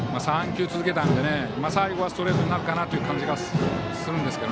３球続けたので最後はストレートになるかなという感じがするんですが。